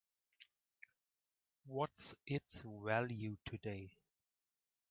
What's its value today?